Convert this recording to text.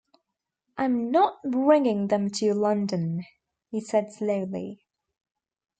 “I am not bringing them to London,” he said slowly.